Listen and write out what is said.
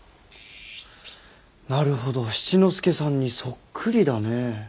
なるほど七之助さんにそっくりだね。